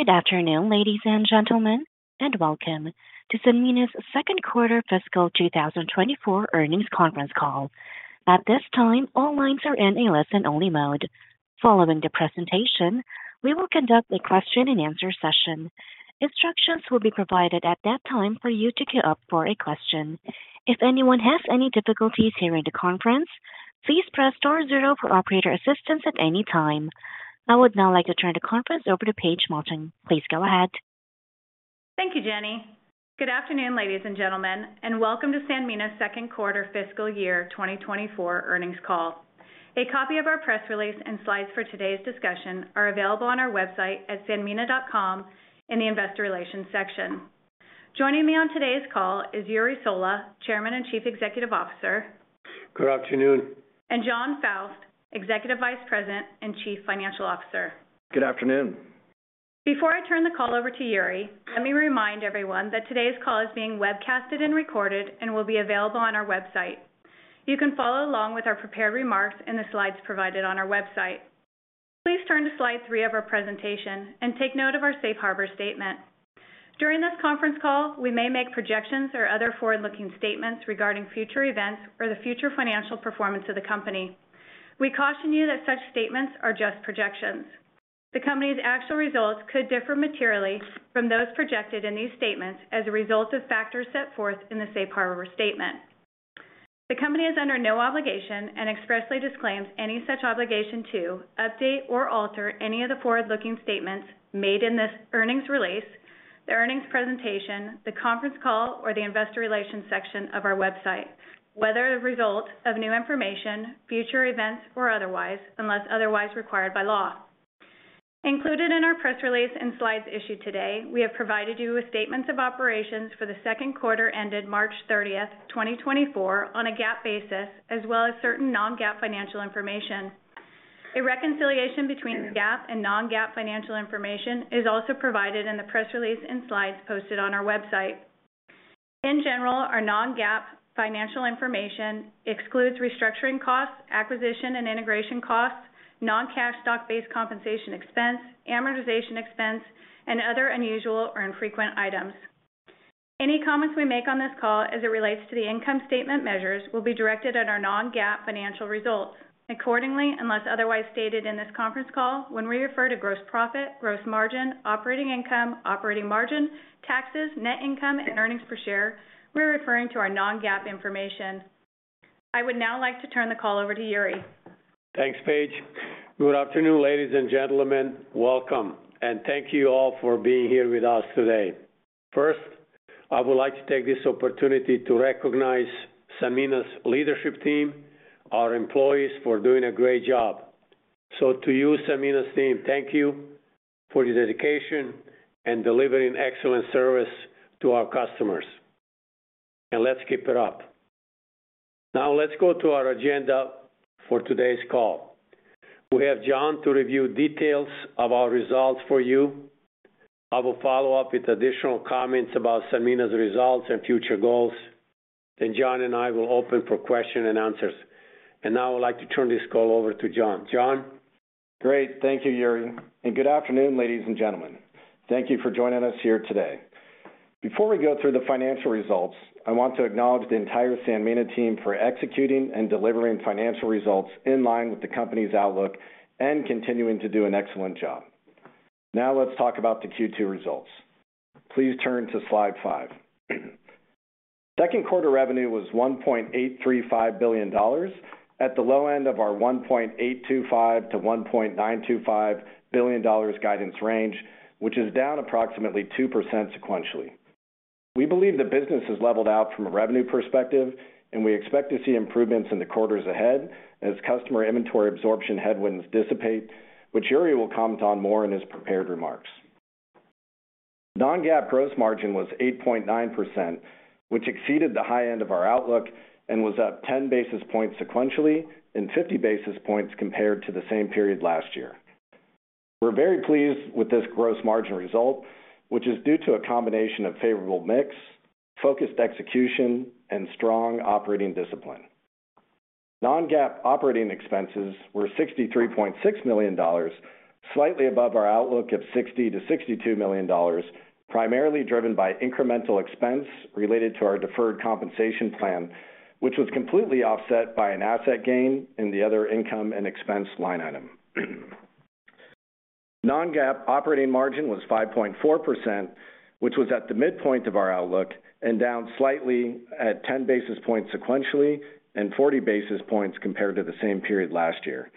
Good afternoon, ladies and gentlemen, and welcome to Sanmina's Second Quarter Fiscal 2024 Earnings Conference Call. At this time, all lines are in a listen-only mode. Following the presentation, we will conduct a question-and-answer session. Instructions will be provided at that time for you to queue up for a question. If anyone has any difficulties hearing the conference, please press star zero for operator assistance at any time. I would now like to turn the conference over to Paige Melching. Please go ahead. Thank you, Jenny. Good afternoon, ladies and gentlemen, and welcome to Sanmina's Second Quarter Fiscal Year 2024 Earnings Call. A copy of our press release and slides for today's discussion are available on our website at sanmina.com in the Investor Relations section. Joining me on today's call is Jure Sola, Chairman and Chief Executive Officer. Good afternoon. Jon Faust, Executive Vice President and Chief Financial Officer. Good afternoon. Before I turn the call over to Jure, let me remind everyone that today's call is being webcasted and recorded and will be available on our website. You can follow along with our prepared remarks in the slides provided on our website. Please turn to slide three of our presentation and take note of our safe harbor statement. During this conference call, we may make projections or other forward-looking statements regarding future events or the future financial performance of the company. We caution you that such statements are just projections. The company's actual results could differ materially from those projected in these statements as a result of factors set forth in the safe harbor statement. The company is under no obligation and expressly disclaims any such obligation to update or alter any of the forward-looking statements made in this earnings release, the earnings presentation, the conference call, or the investor relations section of our website, whether a result of new information, future events, or otherwise, unless otherwise required by law. Included in our press release and slides issued today, we have provided you with statements of operations for the second quarter ended March 30th, 2024, on a GAAP basis, as well as certain non-GAAP financial information. A reconciliation between the GAAP and non-GAAP financial information is also provided in the press release and slides posted on our website. In general, our non-GAAP financial information excludes restructuring costs, acquisition and integration costs, non-cash stock-based compensation expense, amortization expense, and other unusual or infrequent items. Any comments we make on this call as it relates to the income statement measures will be directed at our non-GAAP financial results. Accordingly, unless otherwise stated in this conference call, when we refer to gross profit, gross margin, operating income, operating margin, taxes, net income, and earnings per share, we're referring to our non-GAAP information. I would now like to turn the call over to Jure. Thanks, Paige. Good afternoon, ladies and gentlemen. Welcome, and thank you all for being here with us today. First, I would like to take this opportunity to recognize Sanmina's leadership team, our employees, for doing a great job. So to you, Sanmina's team, thank you for your dedication and delivering excellent service to our customers. And let's keep it up. Now let's go to our agenda for today's call. We have Jon to review details of our results for you. I will follow up with additional comments about Sanmina's results and future goals. Then Jon and I will open for questions and answers. And now I would like to turn this call over to Jon. Jon? Great. Thank you, Jure. Good afternoon, ladies and gentlemen. Thank you for joining us here today. Before we go through the financial results, I want to acknowledge the entire Sanmina team for executing and delivering financial results in line with the company's outlook and continuing to do an excellent job. Now let's talk about the Q2 results. Please turn to slide five. Second quarter revenue was $1.835 billion at the low end of our $1.825 billion-$1.925 billion guidance range, which is down approximately 2% sequentially. We believe the business has leveled out from a revenue perspective, and we expect to see improvements in the quarters ahead as customer inventory absorption headwinds dissipate, which Jure will comment on more in his prepared remarks. Non-GAAP gross margin was 8.9%, which exceeded the high end of our outlook and was up 10 basis points sequentially and 50 basis points compared to the same period last year. We're very pleased with this gross margin result, which is due to a combination of favorable mix, focused execution, and strong operating discipline. Non-GAAP operating expenses were $63.6 million, slightly above our outlook of $60 million-$62 million, primarily driven by incremental expense related to our deferred compensation plan, which was completely offset by an asset gain in the other income and expense line item. Non-GAAP operating margin was 5.4%, which was at the midpoint of our outlook and down slightly at 10 basis points sequentially and 40 basis points compared to the same period last year.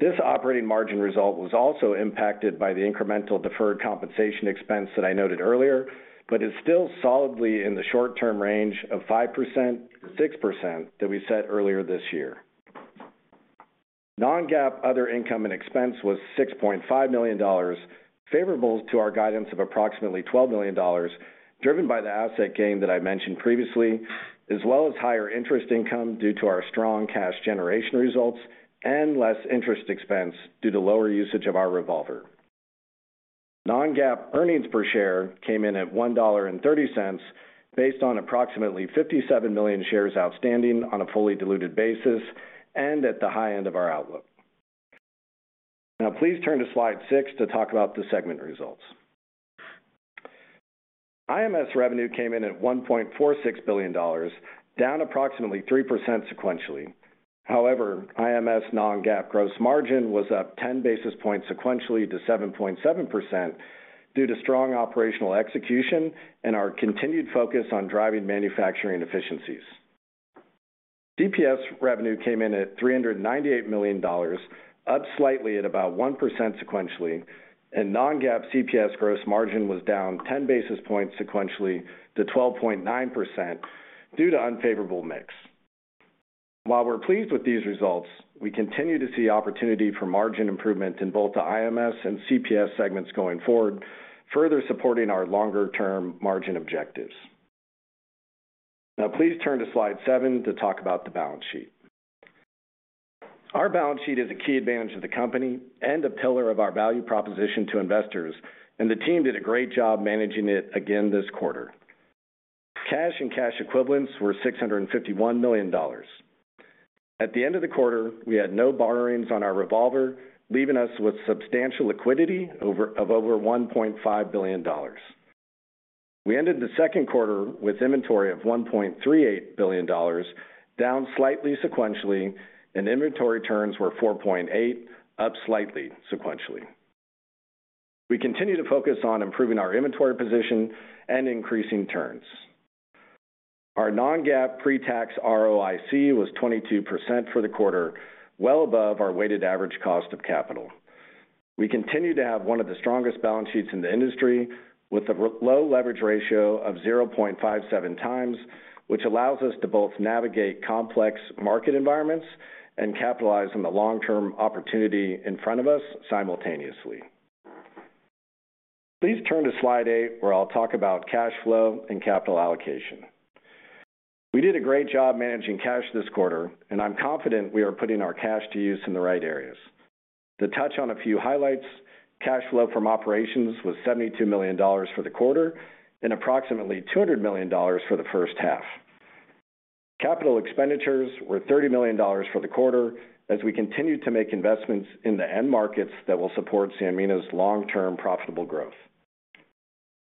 This operating margin result was also impacted by the incremental deferred compensation expense that I noted earlier, but is still solidly in the short-term range of 5%-6% that we set earlier this year. Non-GAAP other income and expense was $6.5 million, favorable to our guidance of approximately $12 million, driven by the asset gain that I mentioned previously, as well as higher interest income due to our strong cash generation results and less interest expense due to lower usage of our revolver. Non-GAAP earnings per share came in at $1.30 based on approximately 57 million shares outstanding on a fully diluted basis and at the high end of our outlook. Now please turn to slide six to talk about the segment results. IMS revenue came in at $1.46 billion, down approximately 3% sequentially. However, IMS non-GAAP gross margin was up 10 basis points sequentially to 7.7% due to strong operational execution and our continued focus on driving manufacturing efficiencies. CPS revenue came in at $398 million, up slightly at about 1% sequentially, and non-GAAP CPS gross margin was down 10 basis points sequentially to 12.9% due to unfavorable mix. While we're pleased with these results, we continue to see opportunity for margin improvement in both the IMS and CPS segments going forward, further supporting our longer-term margin objectives. Now please turn to slide seven to talk about the balance sheet. Our balance sheet is a key advantage of the company and a pillar of our value proposition to investors, and the team did a great job managing it again this quarter. Cash and cash equivalents were $651 million. At the end of the quarter, we had no borrowings on our revolver, leaving us with substantial liquidity of over $1.5 billion. We ended the second quarter with inventory of $1.38 billion, down slightly sequentially, and inventory turns were 4.8, up slightly sequentially. We continue to focus on improving our inventory position and increasing turns. Our non-GAAP pre-tax ROIC was 22% for the quarter, well above our weighted average cost of capital. We continue to have one of the strongest balance sheets in the industry, with a low leverage ratio of 0.57x, which allows us to both navigate complex market environments and capitalize on the long-term opportunity in front of us simultaneously. Please turn to slide eight, where I'll talk about cash flow and capital allocation. We did a great job managing cash this quarter, and I'm confident we are putting our cash to use in the right areas. To touch on a few highlights, cash flow from operations was $72 million for the quarter and approximately $200 million for the first half. Capital expenditures were $30 million for the quarter as we continue to make investments in the end markets that will support Sanmina's long-term profitable growth.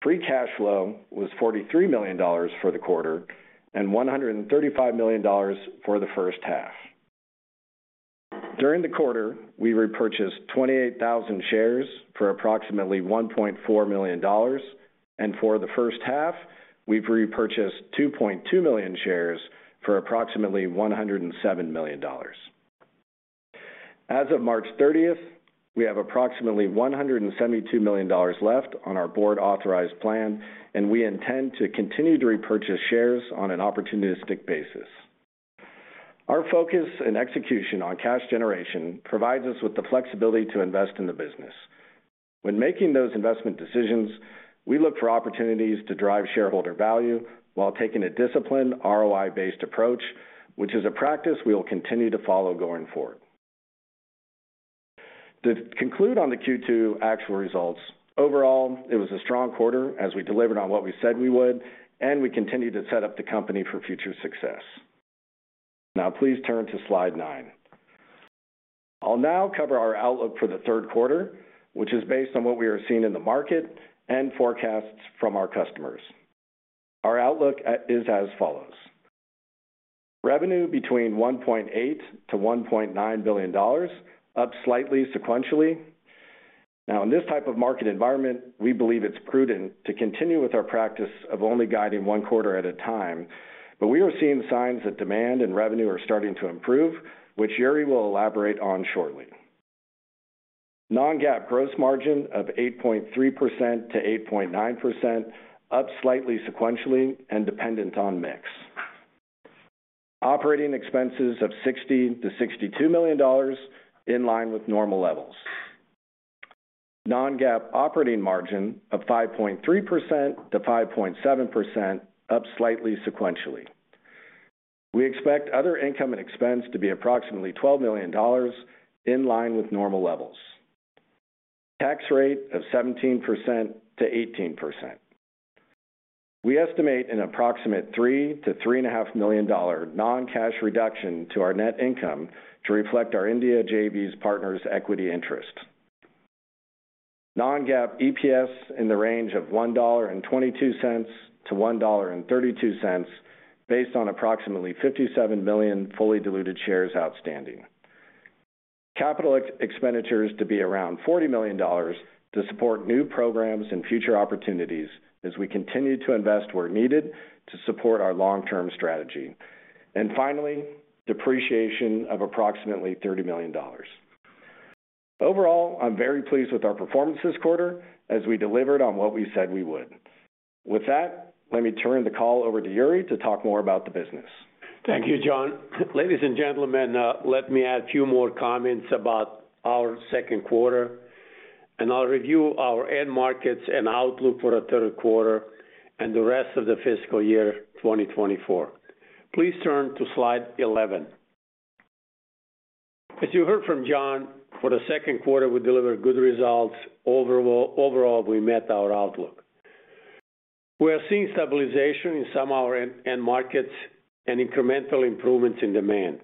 Free cash flow was $43 million for the quarter and $135 million for the first half. During the quarter, we repurchased 28,000 shares for approximately $1.4 million, and for the first half, we've repurchased 2.2 million shares for approximately $107 million. As of March 30th, we have approximately $172 million left on our board-authorized plan, and we intend to continue to repurchase shares on an opportunistic basis. Our focus and execution on cash generation provides us with the flexibility to invest in the business. When making those investment decisions, we look for opportunities to drive shareholder value while taking a disciplined ROI-based approach, which is a practice we will continue to follow going forward. To conclude on the Q2 actual results, overall, it was a strong quarter as we delivered on what we said we would, and we continue to set up the company for future success. Now please turn to slide nine. I'll now cover our outlook for the third quarter, which is based on what we are seeing in the market and forecasts from our customers. Our outlook is as follows. Revenue between $1.8-$1.9 billion, up slightly sequentially. Now, in this type of market environment, we believe it's prudent to continue with our practice of only guiding one quarter at a time, but we are seeing signs that demand and revenue are starting to improve, which Jure will elaborate on shortly. Non-GAAP gross margin of 8.3%-8.9%, up slightly sequentially and dependent on mix. Operating expenses of $60-$62 million, in line with normal levels. Non-GAAP operating margin of 5.3%-5.7%, up slightly sequentially. We expect other income and expense to be approximately $12 million, in line with normal levels. Tax rate of 17%-18%. We estimate an approximate $3 million-$3.5 million non-cash reduction to our net income to reflect our India JV's partners' equity interest. Non-GAAP EPS in the range of $1.22-$1.32, based on approximately 57 million fully diluted shares outstanding. Capital expenditures to be around $40 million to support new programs and future opportunities as we continue to invest where needed to support our long-term strategy. Finally, depreciation of approximately $30 million. Overall, I'm very pleased with our performance this quarter as we delivered on what we said we would. With that, let me turn the call over to Jure to talk more about the business. Thank you, Jon. Ladies and gentlemen, let me add a few more comments about our second quarter. I'll review our end markets and outlook for a third quarter and the rest of the fiscal year 2024. Please turn to slide 11. As you heard from Jon, for the second quarter, we delivered good results. Overall, we met our outlook. We are seeing stabilization in some of our end markets and incremental improvements in demand.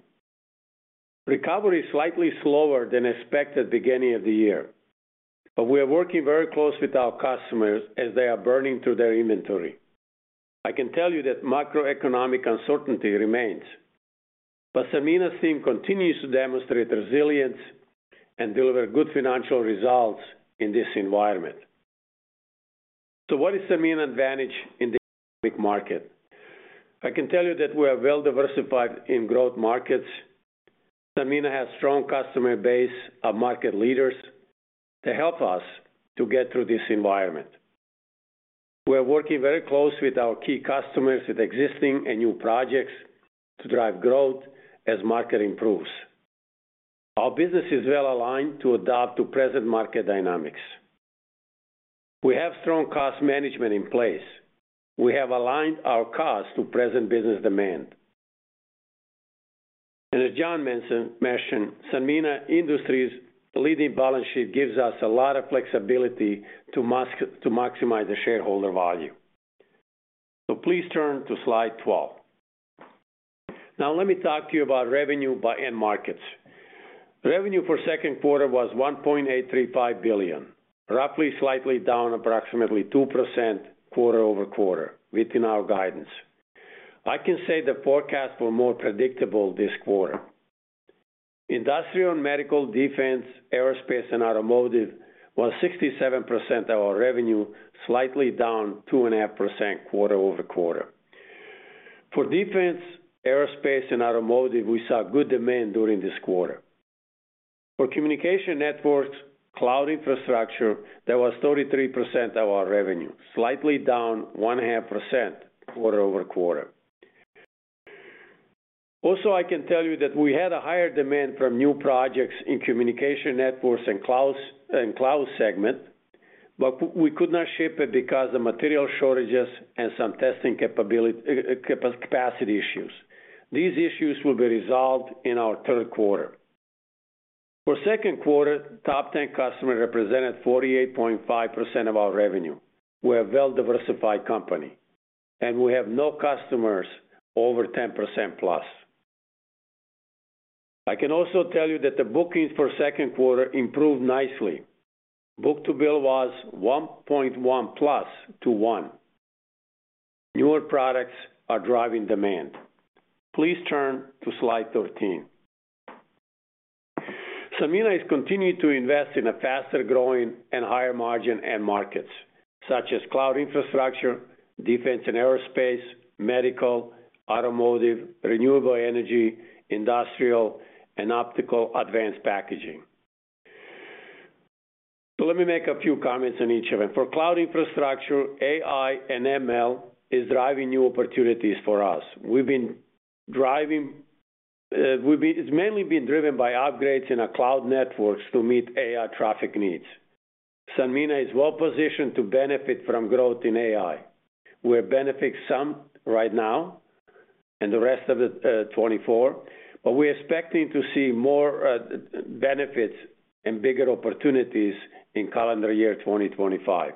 Recovery is slightly slower than expected at the beginning of the year. We are working very close with our customers as they are burning through their inventory. I can tell you that macroeconomic uncertainty remains. Sanmina's team continues to demonstrate resilience and deliver good financial results in this environment. What is Sanmina's advantage in the economic market? I can tell you that we are well diversified in growth markets. Sanmina has a strong customer base of market leaders that help us to get through this environment. We are working very close with our key customers with existing and new projects to drive growth as market improves. Our business is well aligned to adapt to present market dynamics. We have strong cost management in place. We have aligned our costs to present business demand. As Jon mentioned, Sanmina's industry-leading balance sheet gives us a lot of flexibility to maximize the shareholder value. Please turn to slide 12. Now let me talk to you about revenue by end markets. Revenue for the second quarter was $1.835 billion, roughly slightly down approximately 2% quarter-over-quarter within our guidance. I can say the forecasts were more predictable this quarter. Industrial and medical, defense, aerospace, and automotive was 67% of our revenue, slightly down 2.5% quarter-over-quarter. For defense, aerospace, and automotive, we saw good demand during this quarter. For communication networks, cloud infrastructure, that was 33% of our revenue, slightly down 1.5% quarter-over-quarter. Also, I can tell you that we had a higher demand from new projects in communication networks and cloud segment, but we could not ship it because of material shortages and some testing capacity issues. These issues will be resolved in our third quarter. For the second quarter, top 10 customers represented 48.5% of our revenue. We are a well-diversified company. We have no customers over 10%+. I can also tell you that the bookings for the second quarter improved nicely. Book-to-bill was 1.1+ to 1. Newer products are driving demand. Please turn to slide 13. Sanmina is continuing to invest in faster-growing and higher-margin end markets, such as cloud infrastructure, defense and aerospace, medical, automotive, renewable energy, industrial, and optical advanced packaging. So let me make a few comments on each of them. For cloud infrastructure, AI and ML are driving new opportunities for us. It's mainly been driven by upgrades in our cloud networks to meet AI traffic needs. Sanmina is well-positioned to benefit from growth in AI. We are benefiting some right now and the rest of 2024, but we are expecting to see more benefits and bigger opportunities in calendar year 2025.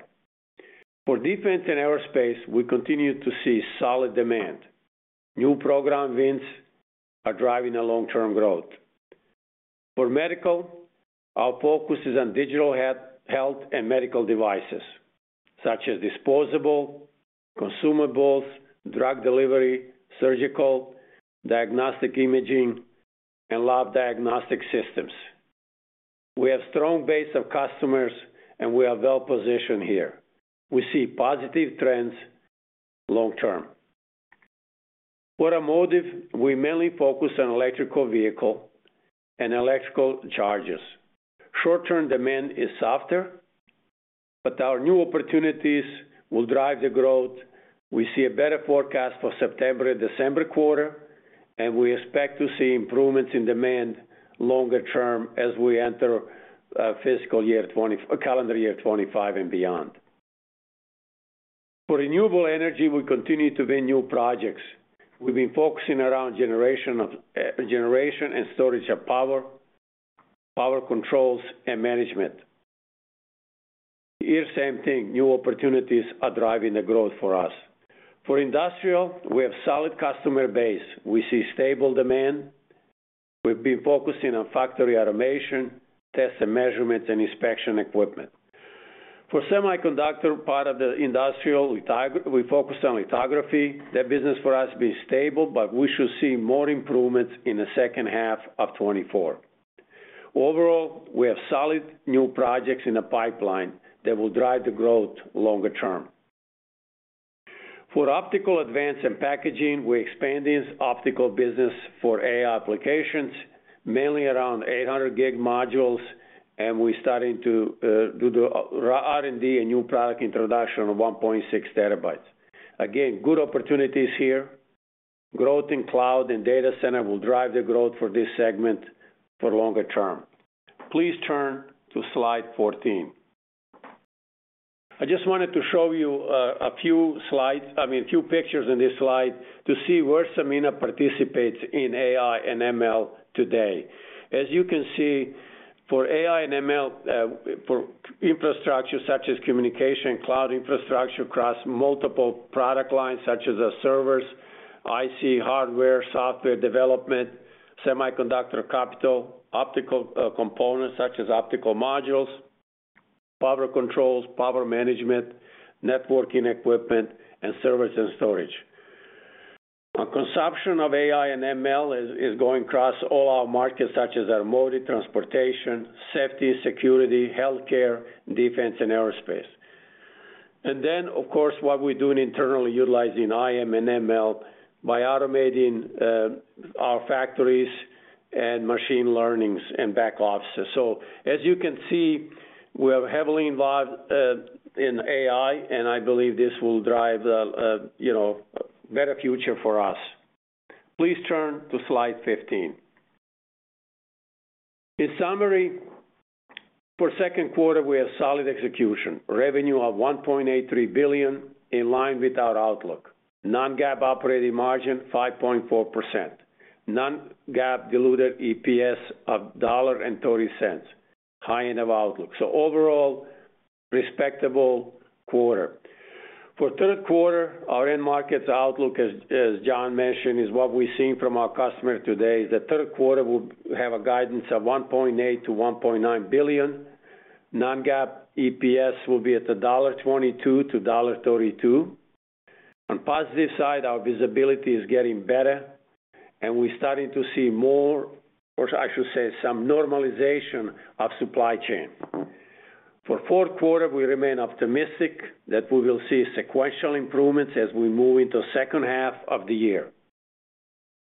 For defense and aerospace, we continue to see solid demand. New program wins are driving long-term growth. For medical, our focus is on digital health and medical devices, such as disposable, consumables, drug delivery, surgical, diagnostic imaging, and lab diagnostic systems. We have a strong base of customers, and we are well-positioned here. We see positive trends long-term. For automotive, we mainly focus on electrical vehicles and electrical chargers. Short-term demand is softer, but our new opportunities will drive the growth. We see a better forecast for September and December quarter, and we expect to see improvements in demand longer-term as we enter calendar year 2025 and beyond. For renewable energy, we continue to win new projects. We've been focusing around generation and storage of power, power controls, and management. Here's the same thing. New opportunities are driving the growth for us. For industrial, we have a solid customer base. We see stable demand. We've been focusing on factory automation, test and measurements, and inspection equipment. For semiconductor part of the industrial, we focus on lithography. That business for us has been stable, but we should see more improvements in the second half of 2024. Overall, we have solid new projects in the pipeline that will drive the growth longer-term. For Optical, Advanced Packaging, we're expanding optical business for AI applications, mainly around 800 gig modules, and we're starting to do the R&D and new product introduction on 1.6 terabytes. Again, good opportunities here. Growth in cloud and data center will drive the growth for this segment for longer-term. Please turn to slide 14. I just wanted to show you a few pictures in this slide to see where Sanmina participates in AI and ML today. As you can see, for AI and ML, for infrastructure such as communication, cloud infrastructure across multiple product lines such as our servers, IC hardware, software development, semiconductor capital, optical components such as optical modules, power controls, power management, networking equipment, and service and storage. Our consumption of AI and ML is going across all our markets such as automotive, transportation, safety, security, healthcare, defense, and aerospace. And then, of course, what we're doing internally utilizing AI and ML by automating our factories and machine learning and back offices. So as you can see, we are heavily involved in AI, and I believe this will drive a better future for us. Please turn to slide 15. In summary, for the second quarter, we have solid execution, revenue of $1.83 billion in line with our outlook, non-GAAP operating margin 5.4%, non-GAAP diluted EPS of $1.30, high enough outlook. Overall, respectable quarter. For the third quarter, our end markets outlook, as Jon mentioned, is what we're seeing from our customer today. The third quarter will have a guidance of $1.8 billion-$1.9 billion. Non-GAAP EPS will be $1.22-$1.32. On the positive side, our visibility is getting better, and we're starting to see more, or I should say, some normalization of supply chain. For the fourth quarter, we remain optimistic that we will see sequential improvements as we move into the second half of the year.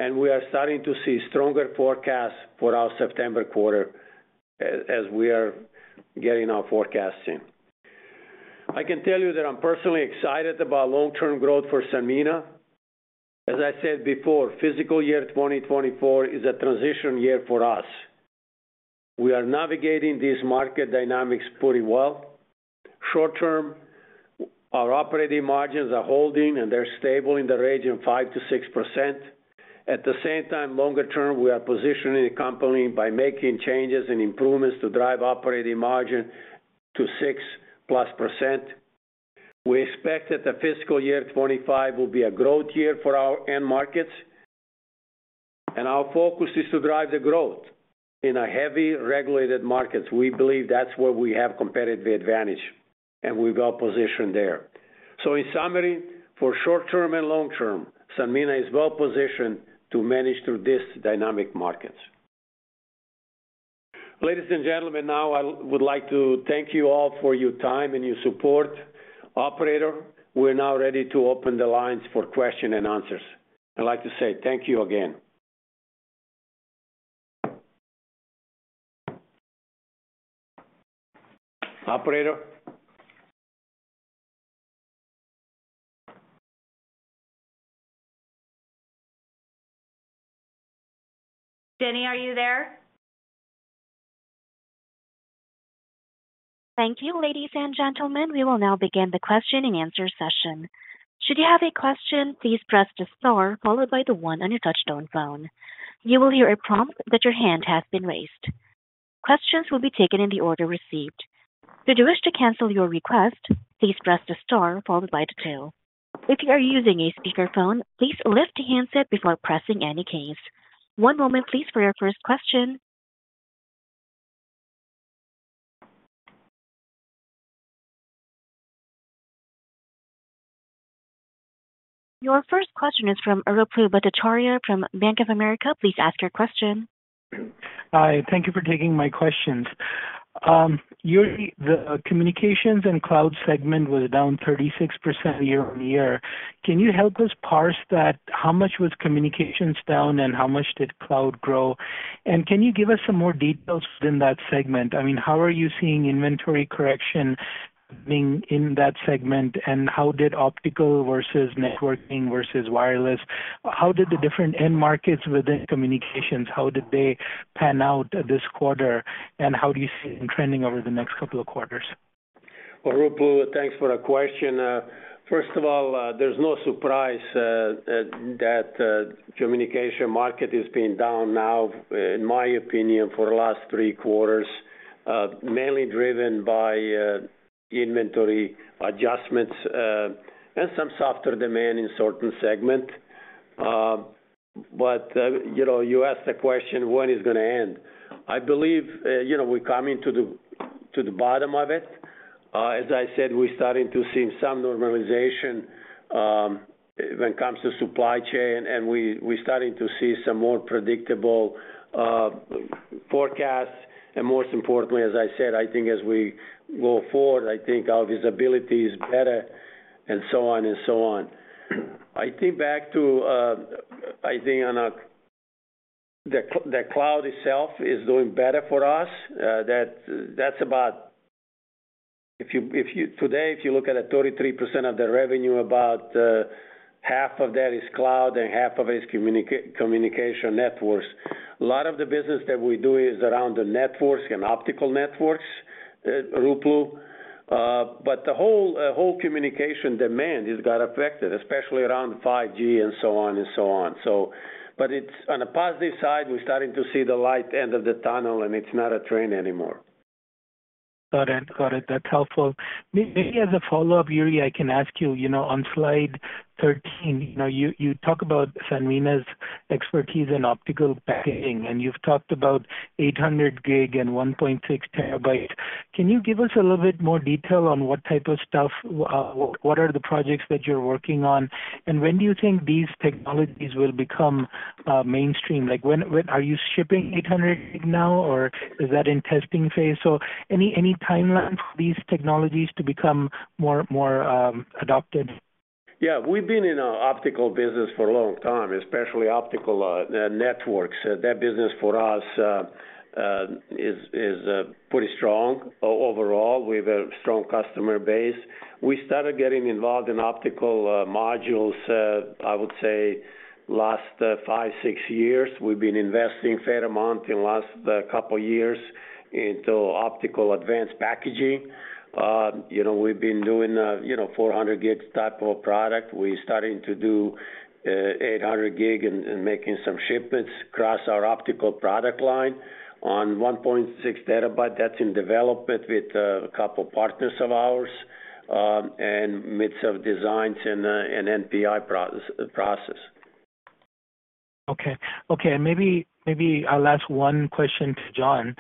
We are starting to see stronger forecasts for our September quarter as we are getting our forecasts in. I can tell you that I'm personally excited about long-term growth for Sanmina. As I said before, the fiscal year 2024 is a transition year for us. We are navigating these market dynamics pretty well. Short-term, our operating margins are holding, and they're stable in the range of 5%-6%. At the same time, longer-term, we are positioning the company by making changes and improvements to drive operating margin to 6%+. We expect that the fiscal year 2025 will be a growth year for our end markets. Our focus is to drive the growth in heavily regulated markets. We believe that's where we have competitive advantage, and we're well-positioned there. In summary, for short-term and long-term, Sanmina is well-positioned to manage through these dynamic markets. Ladies and gentlemen, now I would like to thank you all for your time and your support. Operator, we're now ready to open the lines for questions and answers. I'd like to say thank you again. Operator? Jenny, are you there? Thank you, ladies and gentlemen. We will now begin the question and answer session. Should you have a question, please press the star followed by the one on your touch-tone phone. You will hear a prompt that your hand has been raised. Questions will be taken in the order received. If you wish to cancel your request, please press the star followed by the two. If you are using a speakerphone, please lift the handset before pressing any keys. One moment, please, for your first question. Your first question is from Ruplu Bhattacharya from Bank of America. Please ask your question. Hi. Thank you for taking my questions. Jure, the communications and cloud segment was down 36% year-on-year. Can you help us parse that? How much was communications down, and how much did cloud grow? And can you give us some more details within that segment? I mean, how are you seeing inventory correction in that segment, and how did optical versus networking versus wireless? How did the different end markets within communications, how did they pan out this quarter, and how do you see them trending over the next couple of quarters? Ruplu, thanks for the question. First of all, there's no surprise that the communication market has been down now, in my opinion, for the last three quarters, mainly driven by inventory adjustments and some softer demand in certain segments. But you asked the question, when is it going to end? I believe we're coming to the bottom of it. As I said, we're starting to see some normalization when it comes to supply chain, and we're starting to see some more predictable forecasts. And most importantly, as I said, I think as we go forward, I think our visibility is better and so on and so on. I think back to, I think, on the, the cloud itself is doing better for us. That's about, today, if you look at 33% of the revenue, about half of that is cloud and half of it is communication networks. A lot of the business that we do is around the networks and optical networks, Ruplu. But the whole communication demand has got affected, especially around 5G and so on and so on. But on the positive side, we're starting to see the light end of the tunnel, and it's not a train anymore. Got it. Got it. That's helpful. Maybe as a follow-up, Jure, I can ask you, on slide 13, you talk about Sanmina's expertise in optical packaging, and you've talked about 800 gig and 1.6 terabytes. Can you give us a little bit more detail on what type of stuff, what are the projects that you're working on, and when do you think these technologies will become mainstream? Are you shipping 800 gig now, or is that in the testing phase? So any timeline for these technologies to become more adopted? Yeah. We've been in the optical business for a long time, especially optical networks. That business for us is pretty strong overall. We have a strong customer base. We started getting involved in optical modules, I would say, the last five, six years. We've been investing a fair amount in the last couple of years into Optical, Advanced Packaging. We've been doing a 400 Gb type of a product. We're starting to do 800 Gb and making some shipments across our optical product line. On 1.6 TB, that's in development with a couple of partners of ours and in the midst of designs and NPI process. Okay. Okay. And maybe I'll ask one question to Jon.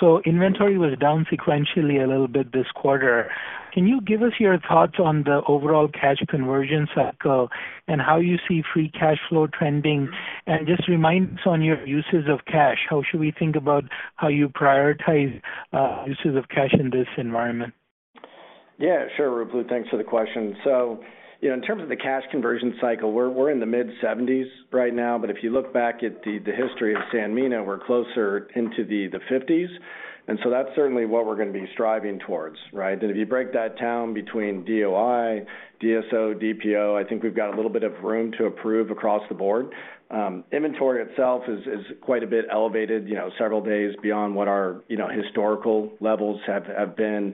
So inventory was down sequentially a little bit this quarter. Can you give us your thoughts on the overall cash conversion cycle and how you see free cash flow trending? And just remind us on your uses of cash. How should we think about how you prioritize uses of cash in this environment? Yeah. Sure, Ruplu. Thanks for the question. So in terms of the cash conversion cycle, we're in the mid-70s right now. But if you look back at the history of Sanmina, we're closer into the 50s. And so that's certainly what we're going to be striving towards, right? And if you break that down between DOI, DSO, DPO, I think we've got a little bit of room to improve across the board. Inventory itself is quite a bit elevated several days beyond what our historical levels have been.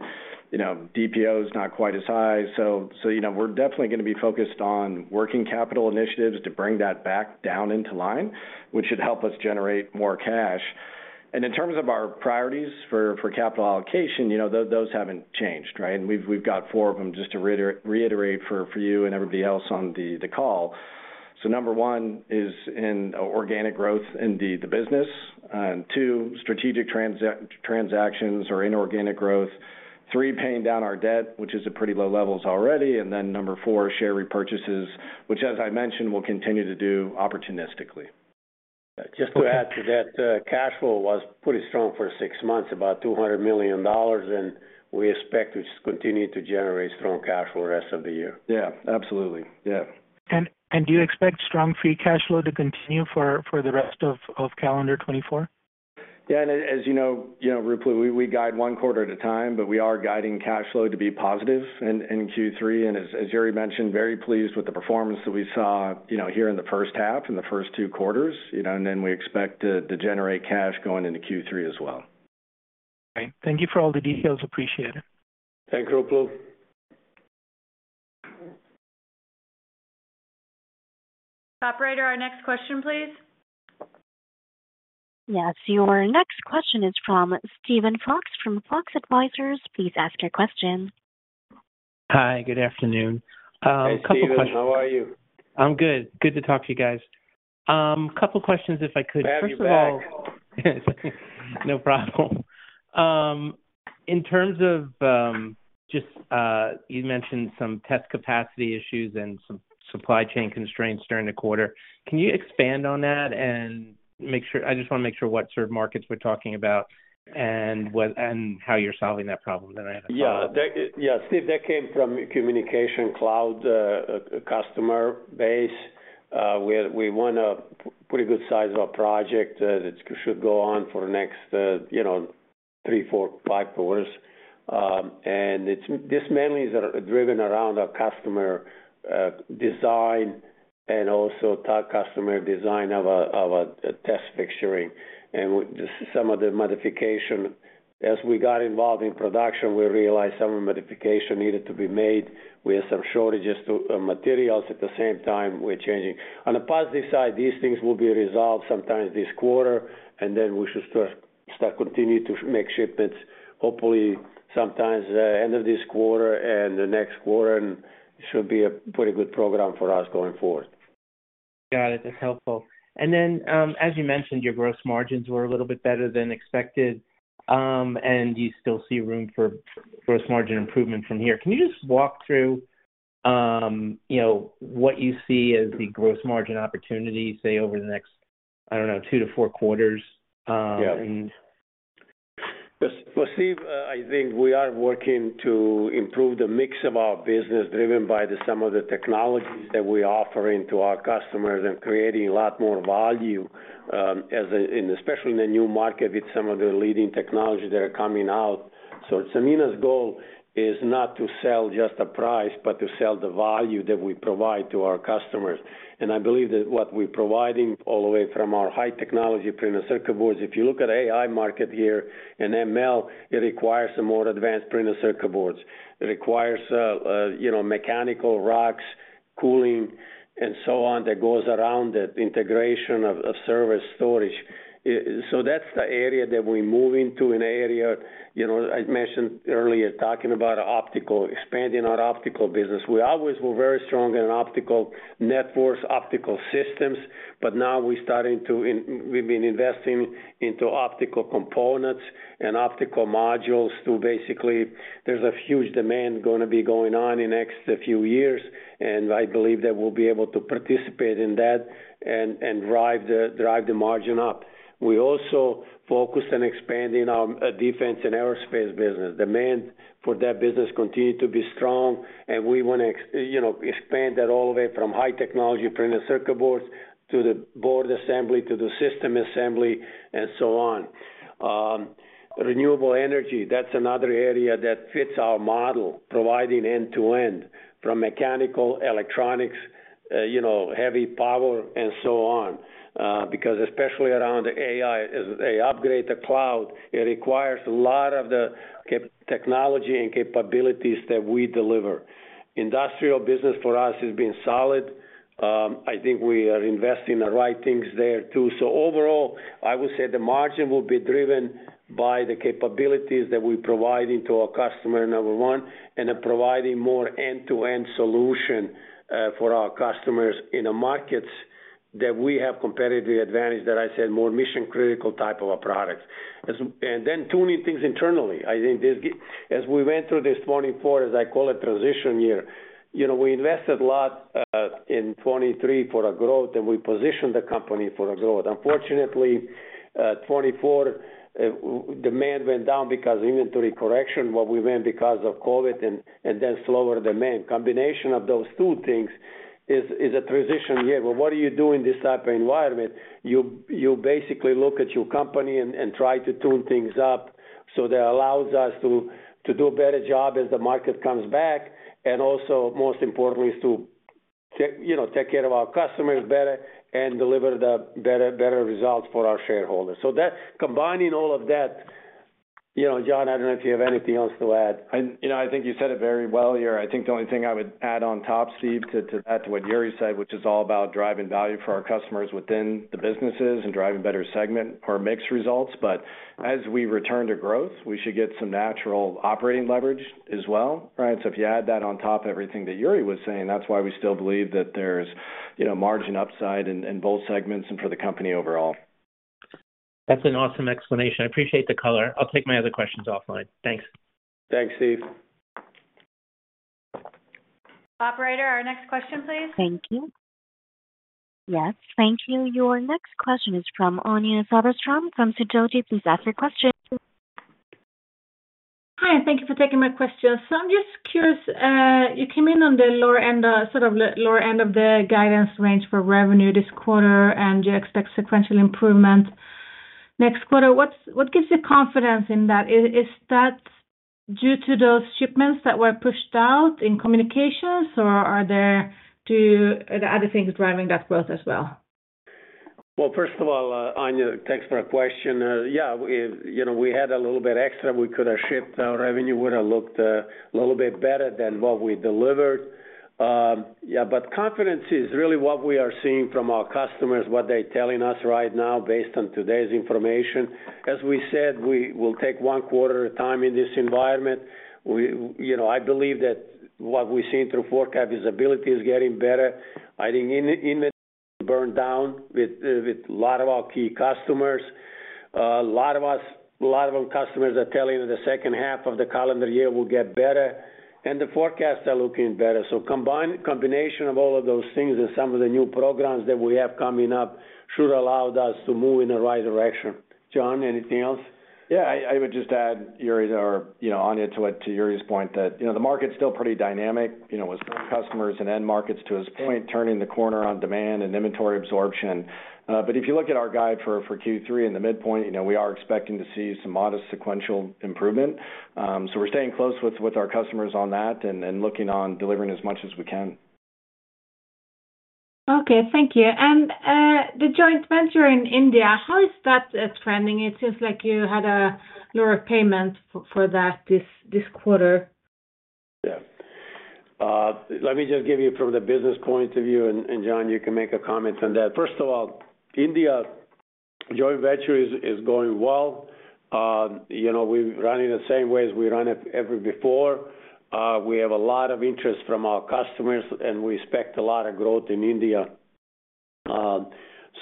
DPO is not quite as high. So we're definitely going to be focused on working capital initiatives to bring that back down into line, which should help us generate more cash. And in terms of our priorities for capital allocation, those haven't changed, right? And we've got four of them, just to reiterate for you and everybody else on the call. Number one is organic growth in the business. Two, strategic transactions or inorganic growth. Three, paying down our debt, which is at pretty low levels already. Then number four, share repurchases, which, as I mentioned, we'll continue to do opportunistically. Just to add to that, cash flow was pretty strong for six months, about $200 million. And we expect to continue to generate strong cash flow the rest of the year. Yeah. Absolutely. Yeah. Do you expect strong free cash flow to continue for the rest of calendar 2024? Yeah. As you know, Ruplu, we guide one quarter at a time, but we are guiding cash flow to be positive in Q3. As Jure mentioned, very pleased with the performance that we saw here in the first half and the first two quarters. Then we expect to generate cash going into Q3 as well. Great. Thank you for all the details. Appreciate it. Thanks, Ruplu. Operator, our next question, please. Yes. Your next question is from Steven Fox from Fox Advisors. Please ask your question. Hi. Good afternoon. A couple of questions. Hey, Steven. How are you? I'm good. Good to talk to you guys. A couple of questions, if I could. First of all. I'll be back. No problem. In terms of just you mentioned some test capacity issues and some supply chain constraints during the quarter. Can you expand on that and make sure I just want to make sure what sort of markets we're talking about and how you're solving that problem that I had a question about? Yeah. Yeah, Steve, that came from communications cloud customer base. We won a pretty good size of a project that should go on for the next three, four, five quarters. This mainly is driven around our customer design and also customer design of a test fixturing. Some of the modification as we got involved in production, we realized some modification needed to be made. We had some shortages of materials. At the same time, we're changing. On the positive side, these things will be resolved sometime this quarter, and then we should start to continue to make shipments, hopefully, sometime the end of this quarter and the next quarter. It should be a pretty good program for us going forward. Got it. That's helpful. And then, as you mentioned, your gross margins were a little bit better than expected, and you still see room for gross margin improvement from here. Can you just walk through what you see as the gross margin opportunity, say, over the next, I don't know, two to four quarters? Well, Steve, I think we are working to improve the mix of our business driven by some of the technologies that we're offering to our customers and creating a lot more value, especially in the new market with some of the leading technology that are coming out. So Sanmina's goal is not to sell just a price, but to sell the value that we provide to our customers. And I believe that what we're providing all the way from our high technology printed circuit boards, if you look at the AI market here and ML, it requires some more advanced printed circuit boards. It requires mechanical racks, cooling, and so on that goes around that integration of service storage. So that's the area that we're moving to, an area, I mentioned earlier, talking about optical, expanding our optical business. We always were very strong in optical networks, optical systems. But now we've been investing into optical components and optical modules to basically there's a huge demand going to be going on in the next few years. And I believe that we'll be able to participate in that and drive the margin up. We also focused on expanding our defense and aerospace business. Demand for that business continued to be strong. And we want to expand that all the way from high-technology printed circuit boards to the board assembly, to the system assembly, and so on. Renewable energy, that's another area that fits our model, providing end-to-end from mechanical, electronics, heavy power, and so on. Because especially around the AI, as they upgrade the cloud, it requires a lot of the technology and capabilities that we deliver. Industrial business for us has been solid. I think we are investing the right things there too. So overall, I would say the margin will be driven by the capabilities that we provide into our customer, number one, and providing more end-to-end solution for our customers in markets that we have competitive advantage, that I said, more mission-critical type of a product. And then tuning things internally. I think as we went through this 2024, as I call it, transition year, we invested a lot in 2023 for growth, and we positioned the company for growth. Unfortunately, 2024, demand went down because of inventory correction, but we went because of COVID and then slower demand. Combination of those two things is a transition year. But what are you doing in this type of environment? You basically look at your company and try to tune things up so that allows us to do a better job as the market comes back. Also, most importantly, is to take care of our customers better and deliver the better results for our shareholders. Combining all of that, Jon, I don't know if you have anything else to add. I think you said it very well here. I think the only thing I would add on top, Steve, to that, to what Jure said, which is all about driving value for our customers within the businesses and driving better segment or mixed results. But as we return to growth, we should get some natural operating leverage as well, right? So if you add that on top of everything that Jure was saying, that's why we still believe that there's margin upside in both segments and for the company overall. That's an awesome explanation. I appreciate the color. I'll take my other questions offline. Thanks. Thanks, Steve. Operator, our next question, please. Thank you. Yes. Thank you. Your next question is from Anja Soderstrom from Sidoti. Please ask your question. Hi. Thank you for taking my question. I'm just curious. You came in on the lower end, sort of lower end of the guidance range for revenue this quarter, and you expect sequential improvement next quarter. What gives you confidence in that? Is that due to those shipments that were pushed out in communications, or are there other things driving that growth as well? Well, first of all, Anja, thanks for the question. Yeah, we had a little bit extra. We could have shipped our revenue. It would have looked a little bit better than what we delivered. Yeah, but confidence is really what we are seeing from our customers, what they're telling us right now based on today's information. As we said, we will take one quarter of time in this environment. I believe that what we've seen through forecast visibility is getting better. I think inventory has burned down with a lot of our key customers. A lot of us, a lot of our customers are telling us the second half of the calendar year will get better. And the forecasts are looking better. So combination of all of those things and some of the new programs that we have coming up should allow us to move in the right direction. Jon, anything else? Yeah. I would just add, Anja, to Jure's point that the market's still pretty dynamic with some customers and end markets, to his point, turning the corner on demand and inventory absorption. But if you look at our guide for Q3 in the midpoint, we are expecting to see some modest sequential improvement. So we're staying close with our customers on that and looking on delivering as much as we can. Okay. Thank you. And the joint venture in India, how is that trending? It seems like you had a lower payment for that this quarter. Yeah. Let me just give you from the business point of view. And Jon, you can make a comment on that. First of all, India joint venture is going well. We're running the same way as we ran it ever before. We have a lot of interest from our customers, and we expect a lot of growth in India.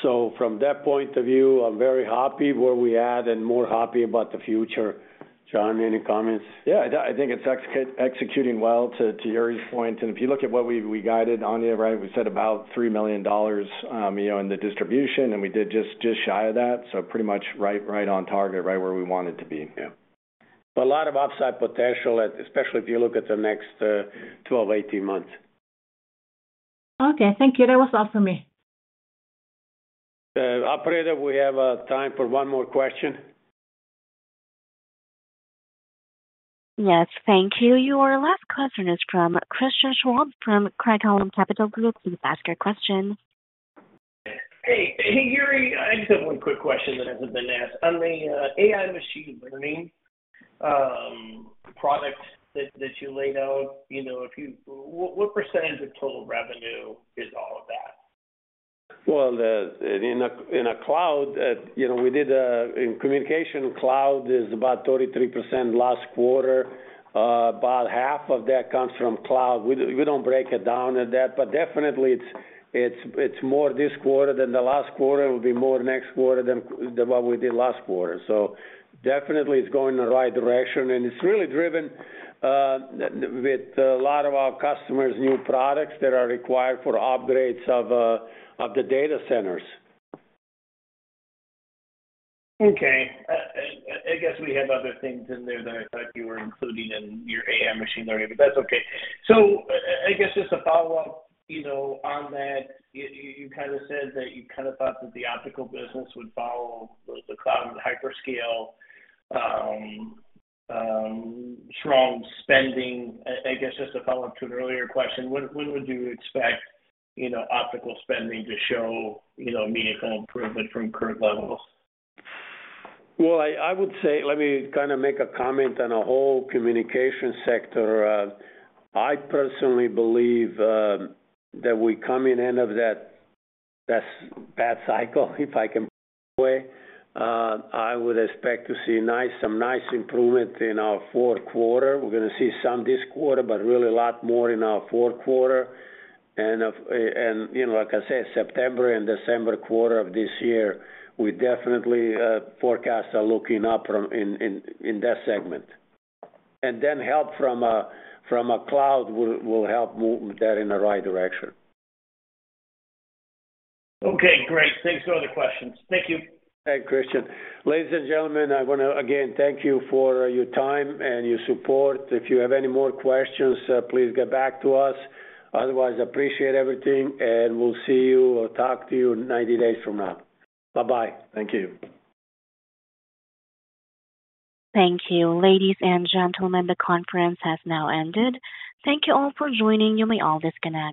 So from that point of view, I'm very happy where we are and more happy about the future. Jon, any comments? Yeah. I think it's executing well, to Jure's point. If you look at what we guided, Anja, right, we said about $3 million in the distribution, and we did just shy of that. Pretty much right on target, right where we wanted to be. Yeah. But a lot of upside potential, especially if you look at the next 12-18 months. Okay. Thank you. That was all from me. Operator, we have time for one more question. Yes. Thank you. Your last question is from Christian Schwab from Craig-Hallum Capital Group. Please ask your question. Hey. Hey, Jure. I just have one quick question that hasn't been asked. On the AI machine learning product that you laid out, what percentage of total revenue is all of that? Well, in our cloud and communications, cloud is about 33% last quarter. About half of that comes from cloud. We don't break it down at that. But definitely, it's more this quarter than the last quarter. It will be more next quarter than what we did last quarter. So definitely, it's going in the right direction. And it's really driven with a lot of our customers' new products that are required for upgrades of the data centers. Okay. I guess we had other things in there that I thought you were including in your AI machine learning, but that's okay. So I guess just a follow-up on that. You kind of said that you kind of thought that the optical business would follow the cloud and hyperscale, strong spending. I guess just a follow-up to an earlier question. When would you expect optical spending to show meaningful improvement from current levels? Well, I would say let me kind of make a comment on the whole communications sector. I personally believe that we come in end of that bad cycle, if I can put it that way. I would expect to see some nice improvement in our fourth quarter. We're going to see some this quarter, but really a lot more in our fourth quarter. And like I said, September and December quarter of this year, we definitely forecast are looking up in that segment. And then help from a cloud will help move that in the right direction. Okay. Great. Thanks for all the questions. Thank you. Thanks, Christian. Ladies and gentlemen, I want to, again, thank you for your time and your support. If you have any more questions, please get back to us. Otherwise, appreciate everything. And we'll see you or talk to you 90 days from now. Bye-bye. Thank you. Thank you. Ladies and gentlemen, the conference has now ended. Thank you all for joining. You may all disconnect.